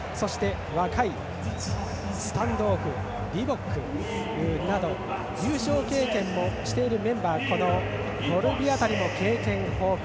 若いスタンドオフ、リボックなど優勝経験もしているメンバーコルビ辺りも経験豊富。